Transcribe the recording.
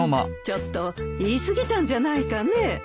ちょっと言い過ぎたんじゃないかね。